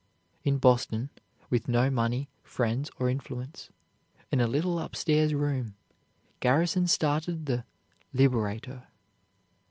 In Boston, with no money, friends, or influence, in a little upstairs room, Garrison started the "Liberator."